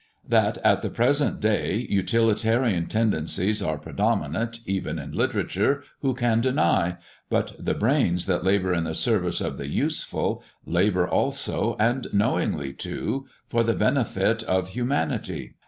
That at the present day utilitarian tendencies are predominant, even in literature, who can deny? But the brains that labour in the service of 'the useful,' labour also, and knowingly, too, for the benefit of humanity.